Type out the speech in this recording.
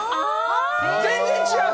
全然違う！